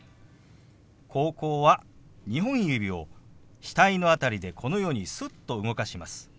「高校」は２本指を額の辺りでこのようにすっと動かします。